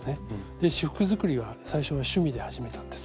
仕覆作りは最初は趣味で始めたんです。